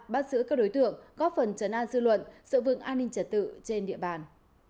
bắt giữ các đối tượng góp phần trấn an dư luận sợ vượng an ninh trật tự trên địa bàn